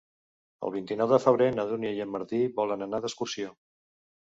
El vint-i-nou de febrer na Dúnia i en Martí volen anar d'excursió.